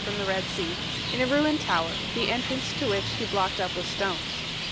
from the Red Sea, in a ruined tower, the entrance to which he blocked up with stones.